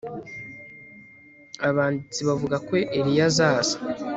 abanditsi bavuga ko eliya azaza